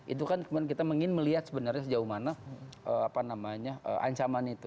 itu kan kita mengingin melihat sebenarnya sejauh mana apa namanya ancaman itu